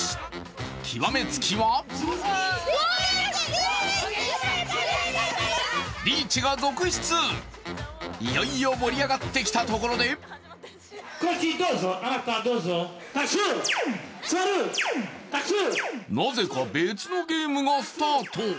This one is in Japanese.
極め付きはリーチが続出、いよいよ盛り上がってきたところでなぜか別のゲームがスタート。